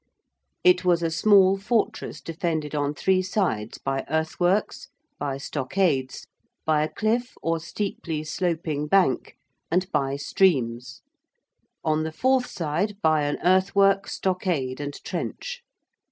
It was a small fortress defended on three sides by earthworks, by stockades, by a cliff or steeply sloping bank, and by streams; on the fourth side by an earthwork, stockade, and trench.